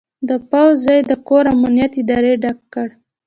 د پوځ ځای د کور امنیت ادارې ډک کړ.